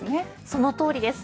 そのとおりです。